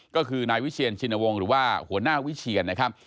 ก็คือนายวิเชียนชินวงศ์หรือว่าหัวหน้าวิเชียนนะครับ